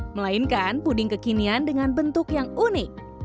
melainkan puding kekinian dengan bentuk yang unik